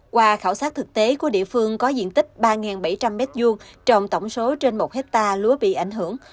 qua khảo sát thực tế của địa phương có diện tích ba bảy trăm linh m hai trồng tổng số trên một hectare lúa bị ảnh hưởng